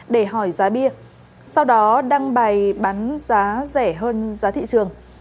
để hỏi giá bia sau đó đăng bài bán giá rẻ hơn giá thị trường